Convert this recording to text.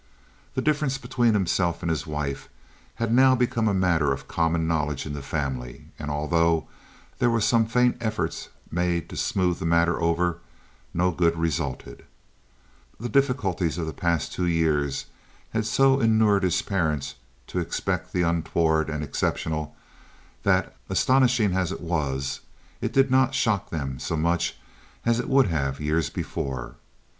The difference between himself and his wife had now become a matter of common knowledge in the family, and, although there were some faint efforts made to smooth the matter over, no good resulted. The difficulties of the past two years had so inured his parents to expect the untoward and exceptional that, astonishing as this was, it did not shock them so much as it would have years before.